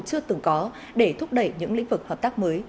nên cơ hội chưa từng có để thúc đẩy những lĩnh vực hợp tác mới